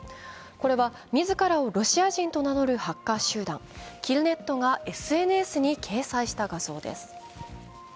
これは自らをロシア人と名乗るハッカー集団、キルネットがＳＮＳに掲載した画像です。